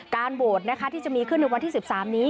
การโบสถ์ที่จะมีขึ้นในวันที่๑๓นี้